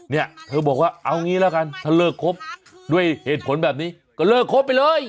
เนี่ยเธอบอกว่าเอางี้แล้วกันถ้าเลิกครบด้วยเหตุผลแบบนี้ก็เลิกครบไปเลย